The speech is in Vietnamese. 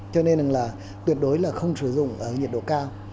cho nên là tuyệt đối là không sử dụng ở nhiệt độ cao